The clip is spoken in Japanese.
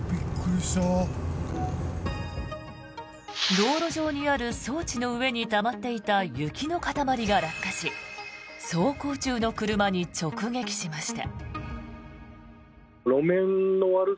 道路上にある装置の上にたまっていた雪の塊が落下し走行中の車に直撃しました。